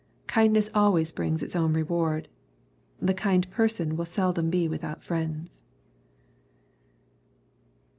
Kindness always brings its own reward. The kind person will seldom be without friends.